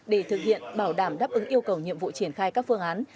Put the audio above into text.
để thực hiện bảo đảm đáp ứng yêu cầu nhiệm vụ triển khai các phương án